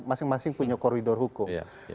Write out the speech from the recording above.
masing masing punya koridor hukum